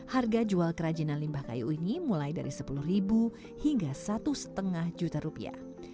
harga jual kerajinan limbah kayu ini mulai dari sepuluh ribu hingga satu lima juta rupiah